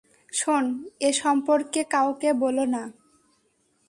শোন, এসম্পর্কে কাউকে বলো না।